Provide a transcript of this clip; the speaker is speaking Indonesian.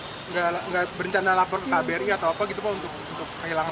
tidak berencana lapor ke kbri atau apa gitu pak untuk kehilangan